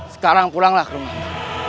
sekarang pulanglah ke rumahmu